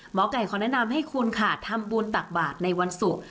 หมอไก่ขอแนะนำให้คุณค่ะทำบุญตักบาทในวันศุกร์